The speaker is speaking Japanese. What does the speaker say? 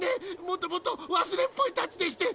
もともと忘れっぽいたちでして。